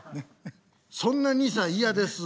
そんな２歳嫌です。